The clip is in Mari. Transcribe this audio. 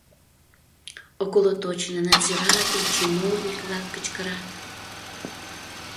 — околоточный надзиратель, чиновник-влак кычкырат.